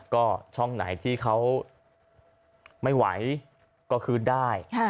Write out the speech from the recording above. ก็ช่องไหนที่เขาไม่ไหวก็คืนได้